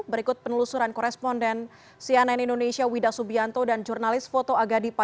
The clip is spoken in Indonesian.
berikut penelusuran koresponden sianen indonesia wida subianto dan jurnalis foto agadipa